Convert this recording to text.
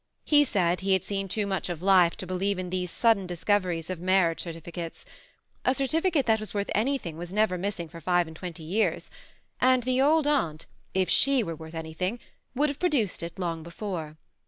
He said he had seen too much of life, to believe in these sudden discoveries of marriage certificates. A certifi cate that was worth anything was never missing for five and twenty years ; and the old aunt, if she were worth anything, would have produced it long before.